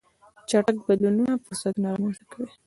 چټک بدلونونه فرصتونه رامنځته کوي.